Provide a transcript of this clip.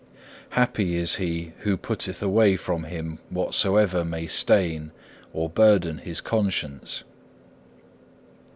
Happy is he who putteth away from him whatsoever may stain or burden his conscience.